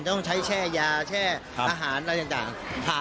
ต้องใช้แช่ยาแช่อาหารอะไรต่าง